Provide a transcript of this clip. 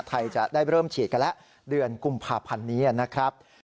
ไทยจะได้เริ่มฉีดกันแล้วเดือนกุมภาพันธ์นี้นะครับ